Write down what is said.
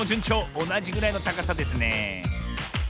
おなじぐらいのたかさですね